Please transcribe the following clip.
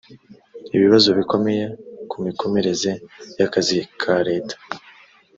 ibibazo bikomeye ku mikomereze y akazi ka leta